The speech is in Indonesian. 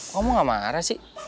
kamu gak marah sih